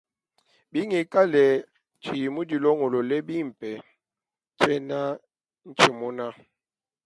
Bingikala tshinyi mudilongolole bimpe, tshena ntshienuna.